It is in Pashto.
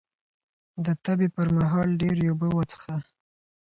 د تبې پر مهال ډېرې اوبه وڅښه